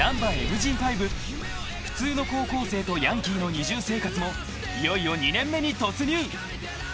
［普通の高校生とヤンキーの二重生活もいよいよ２年目に突入］